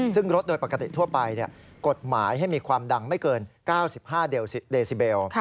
ซึ่งรถโดยปกติทั่วไปกฎหมายให้มีความดังไม่เกิน๙๕เดซิเบล